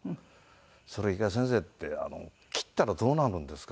「それ１回先生切ったらどうなるんですか？」